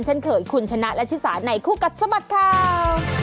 เช่นเคยคุณชนะและชิสาในคู่กัดสะบัดข่าว